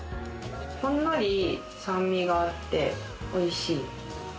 ほんのり酸味があって、おいしい。